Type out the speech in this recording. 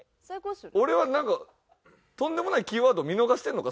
俺はなんかとんでもないキーワードを見逃してるのか？